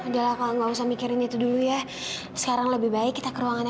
sampai jumpa di video selanjutnya